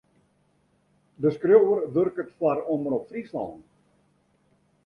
De skriuwer wurket foar Omrop Fryslân.